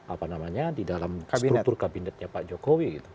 apa namanya di dalam struktur kabinetnya pak jokowi gitu